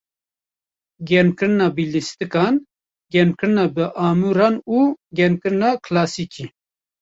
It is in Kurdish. Germkirina bi lîstikan, germkirina bi amûran û germkirina kilasîkî.